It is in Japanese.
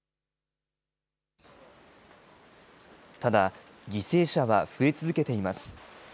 ただ、犠牲者は増え続けています。